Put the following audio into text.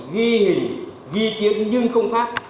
ghi hình ghi tiếng nhưng không phát